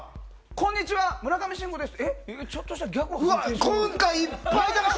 こんにちは、村上信五です。